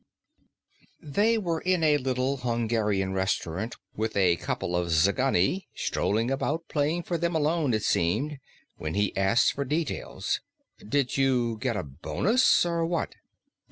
They were in a little Hungarian restaurant, with a couple of Tzigani strolling about playing for them alone, it seemed, when he asked for details. "Did you get a bonus, or what?"